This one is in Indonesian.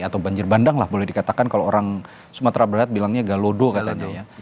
atau banjir bandang lah boleh dikatakan kalau orang sumatera barat bilangnya galodo katanya ya